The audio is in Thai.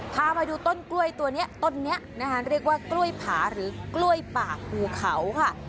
พามาดูต้นกล้วยตัวนี้ต้นนี้นะคะเรียกว่ากล้วยผาหรือกล้วยป่าภูเขาค่ะ